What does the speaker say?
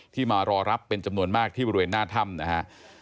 มารอรับเป็นจำนวนมากที่บริเวณหน้าถ้ำนะฮะ